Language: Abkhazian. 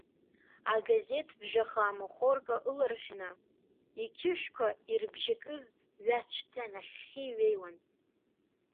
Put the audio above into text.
Агазеҭ ԥжәаха амохорка ыларҳәны иқьышәқәа ирыбжьакыз ҩацәӡа нахьхьи иҩеиуан.